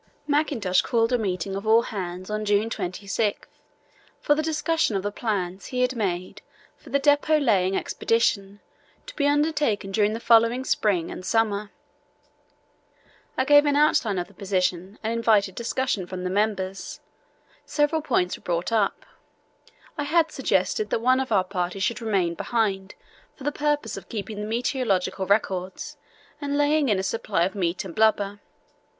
Mackintosh called a meeting of all hands on June 26 for the discussion of the plans he had made for the depot laying expedition to be undertaken during the following spring and summer. "I gave an outline of the position and invited discussion from the members. Several points were brought up. I had suggested that one of our party should remain behind for the purpose of keeping the meteorological records and laying in a supply of meat and blubber.